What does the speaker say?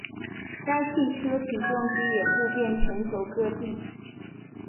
该汽车起重机也遍布全国各地。